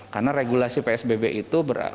karena regulasi psbb itu berat